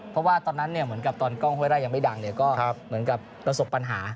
เพราะว่าตอนนั้นเหมือนกับตอนกล้องห้วยไร่ยังไม่ดังก็เหมือนกับประสบปัญหา